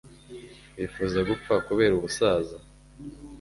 wifuza gupfa kubera ubusaza